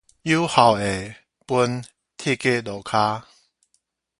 有孝的分鐵枝路跤